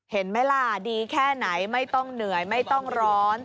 เห็นไหมล่ะดีแค่ไหนไม่ต้องเหนื่อยไม่ต้องร้อน